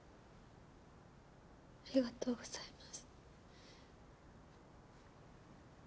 ありがとうございます。